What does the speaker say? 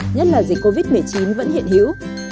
nhất là dịch covid một mươi chín vẫn hiện hữu